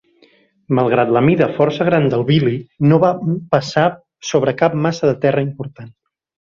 Malgrat la mida força gran del Billie, no va passar sobre cap massa de terra important.